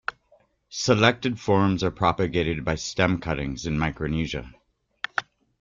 Selected forms are propagated by stem cuttings in Micronesia.